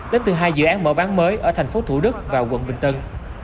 đến từ hai dự án mở bán mới ở thành phố thủ đức và quận bình tân